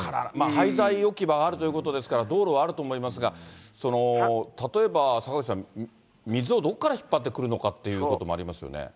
廃材置き場があるということですから、道路はあると思いますが、例えば坂口さん、水をどこから引っ張ってくるのかということもありますよね。